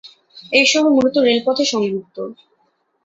এই শহর মূলত রেলপথে সংযুক্ত।